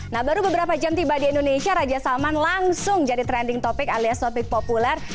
nah baru beberapa jam tiba di indonesia raja salman langsung jadi trending topic alias topik populer